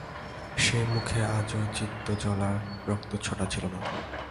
সে মুখে আজ চিত্তজ্বালার রক্তচ্ছটা ছিল না।